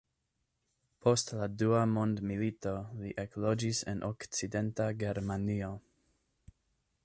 Post la dua mondmilito li ekloĝis en Okcidenta Germanio.